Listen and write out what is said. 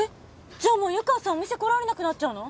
じゃあもう湯川さんお店来られなくなっちゃうの？